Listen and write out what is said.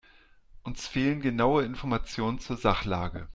Uns fehlen genaue Informationen zur Sachlage.